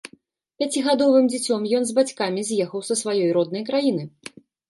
Пяцігадовым дзіцем ён з бацькамі з'ехаў са сваёй роднай краіны.